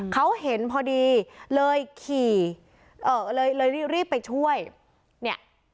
เขาเห็นพอดีเลยขี่เอ่อเลยเลยรีบไปช่วยเนี่ย